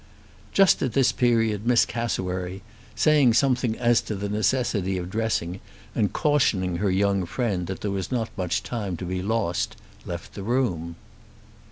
Just at this period Miss Cassewary, saying something as to the necessity of dressing, and cautioning her young friend that there was not much time to be lost, left the room.